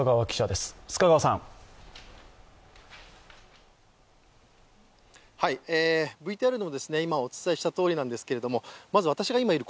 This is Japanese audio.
ＶＴＲでも今、お伝えしたとおりなんですけれども、まず私が今入る